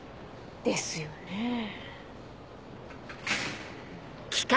ですよねぇ。